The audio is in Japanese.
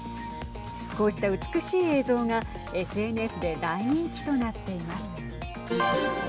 こうした美しい映像がＳＮＳで大人気となっています。